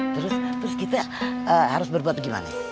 terus kita harus berbuat gimana